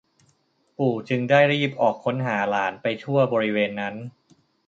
ปู่จึงได้รีบออกค้นหาหลานไปทั่วบริเวณนั้น